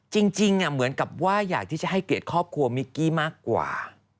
จริงเหมือนกับว่าให้เกร็ดข้อควรมิกกี้มากกว่า